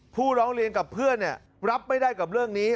ผู้ร้องเรียนกับเพื่อนรับไม่ได้กับเรื่องนี้